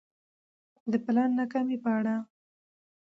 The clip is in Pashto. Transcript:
د پلان ناکامي په اړه